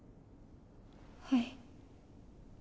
はい。